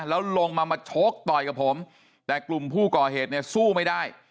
แล้วลงมามาโชคต่อยกับผมแต่กลุ่มผู้ก่อเหตุเนี่ยสู้ไม่ได้